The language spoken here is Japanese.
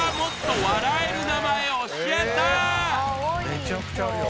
めちゃくちゃあるよ